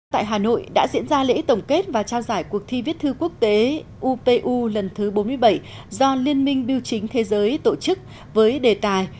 tại hà nội đã diễn ra lễ tổng kết và trao giải cuộc thi viết thư quốc tế upu lần thứ bốn mươi bảy do liên minh biểu chính thế giới tổ chức với đề tài